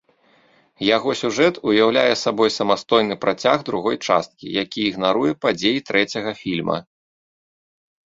Яго сюжэт уяўляе сабой самастойны працяг другой часткі, які ігнаруе падзеі трэцяга фільма.